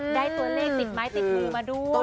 ได้ตัวเลขติดไม้ติดมือมาด้วย